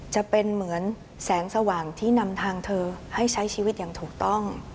จะเป็นเหมือนแสงสว่างที่นำทางเธอให้ใช้ชีวิตอย่างถูกต้อง